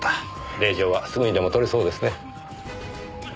令状はすぐにでも取れそうですね。